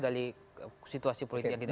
dari situasi politik yang tidak